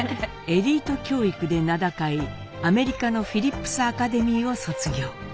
エリート教育で名高いアメリカのフィリップスアカデミーを卒業。